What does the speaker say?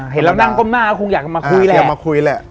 เห็นแล้วนั่งก้มหน้าคงอยากมาคุยแหละ